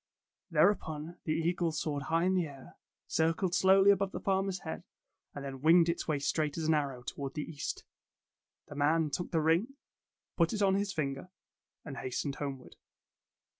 "' Thereupon the eagle soared high in the Tales of Modern Germany 103 air, circled slowly above the farmer's head, and then winged its way straight as an arrow toward the east. The man took the ring, put it on his finger, and hastened homeward.